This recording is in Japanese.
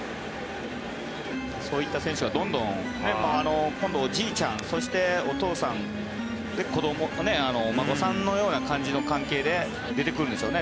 そういった選手はどんどん今度、おじいちゃんそしてお父さん、子どもお孫さんのような感じの関係で出てくるんですよね。